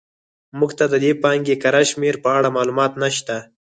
موږ ته د دې پانګې کره شمېر په اړه معلومات نه شته.